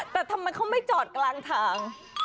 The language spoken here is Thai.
แต่ทำไมเขาไม่จอดกลางทาง